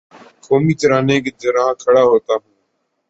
قومی ترانے کے دوراں کھڑا ہوتا ہوں